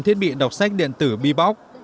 thiết bị đọc sách điện tử bbox